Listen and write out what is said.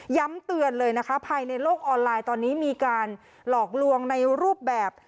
เตือนเลยนะคะภายในโลกออนไลน์ตอนนี้มีการหลอกลวงในรูปแบบ